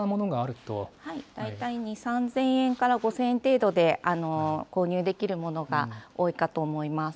大体２、３０００円から５０００円程度で、購入できるものが多いかと思います。